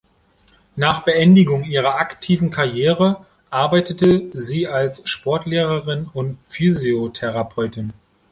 Nach Beendigung ihrer aktiven Karriere arbeitete sie als Sportlehrerin und Physiotherapeutin.